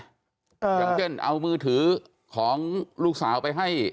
อย่างเช่นเอามือถือของลูกสาวไปให้